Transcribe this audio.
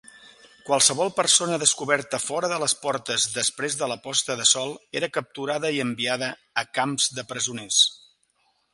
Qualsevol persona descoberta fora de les portes després de la posta de sol era capturada i enviada a camps de presoners.